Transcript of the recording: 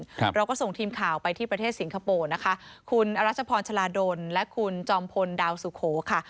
เราก็ส่งทีมข่าวไปที่ประเทศสิงคโปร์นะคะคุณอรัชพรชลาดลและคุณจอมพลดาวสุโขค่ะ